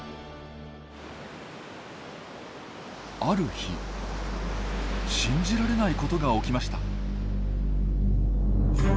ある日信じられないことが起きました。